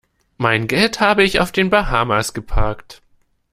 Mein Geld habe ich auf den Bahamas geparkt.